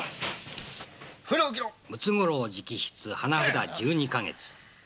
ムツゴロウ直筆花札１２カ月。